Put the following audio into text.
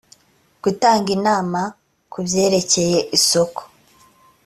gutanga inama ku byerekeye isoko